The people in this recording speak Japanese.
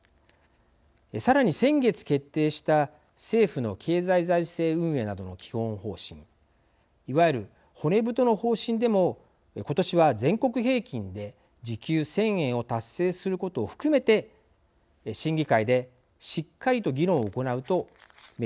さらに先月決定した政府の経済財政運営などの基本方針いわゆる骨太の方針でも今年は全国平均で時給１，０００円を達成することを含めて審議会でしっかりと議論を行うと明記されました。